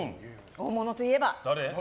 大物といえば。